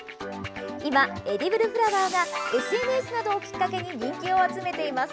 今、エディブルフラワーがＳＮＳなどをきっかけに人気を集めています。